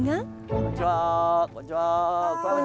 こんにちは。